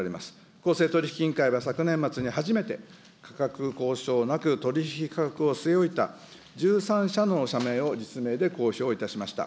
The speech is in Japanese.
公正取引委員会は昨年末に初めて価格交渉なく取り引き価格を据え置いた１３社の社名を実名で公表いたしました。